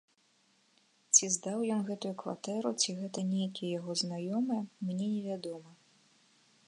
Ці здаў ён гэтую кватэру, ці гэта нейкія яго знаёмыя, мне невядома.